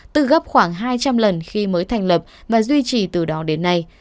từ gấp khoảng hai trăm linh lần khi mới thành lập và duy trì từ đó đến nay